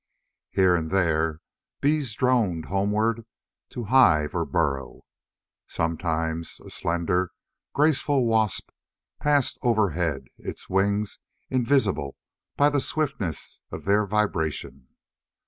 Here and there, bees droned homeward to hive or burrow. Sometimes a slender, graceful wasp passed overhead, its wings invisible by the swiftness of their vibration.